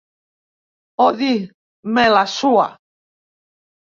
O dir "me la sua".